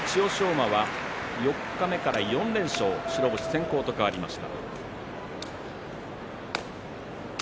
馬は四日目から４連勝白星先行と変わります。